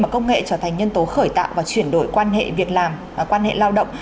công nghệ trở thành nhân tố khởi tạo và chuyển đổi quan hệ việc làm quan hệ lao động